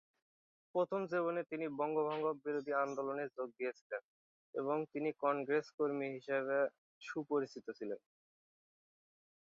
প্রথম জীবনে তিনি বঙ্গভঙ্গ বিরোধী আন্দোলনে যোগ দিয়েছিলেন এবং তিনি কংগ্রেস কর্মী হিসাবে সুপরিচিত ছিলেন।